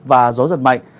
và gió giật mạnh